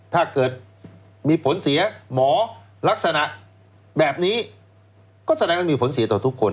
ถ้าเกิดมีผลเสียหมอลักษณะแบบนี้ก็แสดงว่ามีผลเสียต่อทุกคน